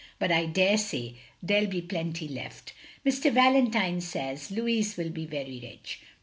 " But I daresay there '11 be plenty left. " Mr. Valentine says Louis will be very rich."